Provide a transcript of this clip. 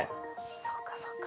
そうかそうか。